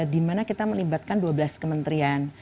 dimana kita melibatkan dua belas kementerian